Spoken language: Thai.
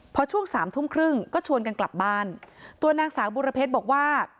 พอช่วงสามทุ่มครึ่งก็ชวนกันกลับบ้านตัวนางสาวบุรเพชรบอกว่า